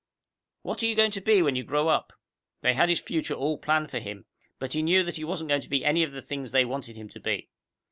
What are you going to be when you grow up?" They had his future all planned for him, but he knew that he wasn't going to be any of the things they wanted him to be.